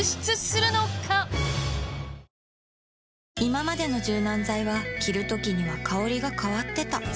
一体いままでの柔軟剤は着るときには香りが変わってた